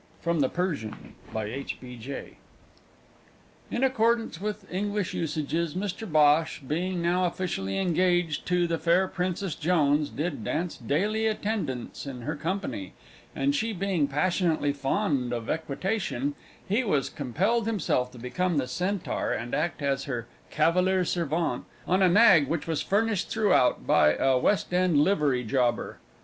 From the Persian, by H. B. J. In accordance with English usages, Mr Bhosh, being now officially engaged to the fair Princess Jones, did dance daily attendance in her company, and, she being passionately fond of equitation, he was compelled himself to become the Centaur and act as her cavalier servant on a nag which was furnished throughout by a West End livery jobber.